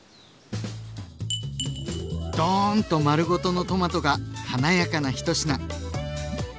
ドーンと丸ごとのトマトが華やかな一品。